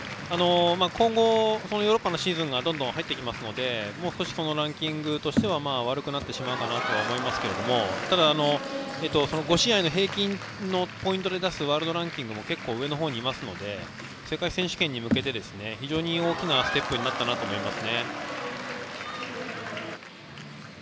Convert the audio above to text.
今後ヨーロッパのシーズンがどんどん入ってきますのでもう少しランキングとしては悪くなってしまうとは思いますけどもただ５試合の平均のポイントで出すワールドランキングも結構上の方にいますので世界選手権に向けて非常に大きなステップになったと思います。